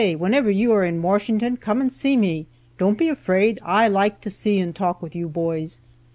Whenever you are in Washington, come and see me! Don't be afraid! I like to see and talk with you boys!"